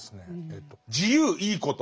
自由いいこと